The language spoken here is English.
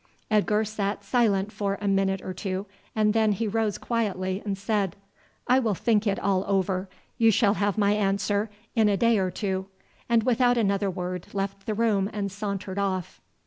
Edgar sat silent for a minute or two, and then he rose quietly and said, "I will think it all over. You shall have my answer in a day or two," and without another word left the room and sauntered off.